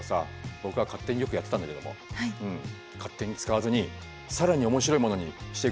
僕は勝手によくやってたんだけども勝手に使わずに更に面白いものにしていこうと決めたよ。